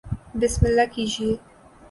بسم اللہ کیجئے